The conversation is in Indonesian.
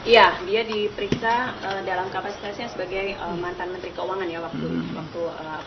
ya dia diperiksa dalam kapasitasnya sebagai mantan menteri keuangan ya waktu